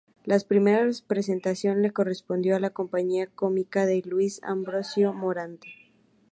La primera representación le correspondió a la Compañía Cómica de Luis Ambrosio Morante.